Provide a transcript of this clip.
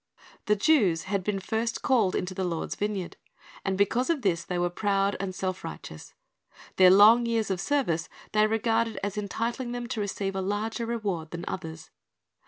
The Jews had been first called into the Lord's vineyard; and because of this they were proud and self righteous. Their long years of service they regarded as entitling them to receive a larger reward than others.